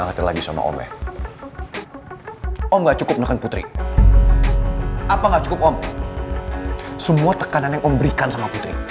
harus tata agung